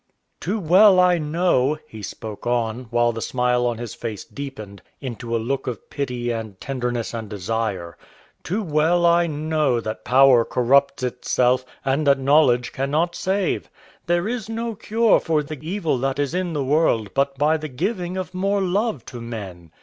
"Too well I know," he spoke on, while the smile on his face deepened into a look of pity and tenderness and desire, "too well I know that power corrupts itself and that knowledge cannot save. There is no cure for the evil that is in the world but by the giving of more love to men.